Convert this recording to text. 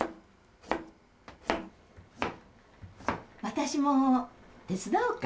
私も手伝おうか？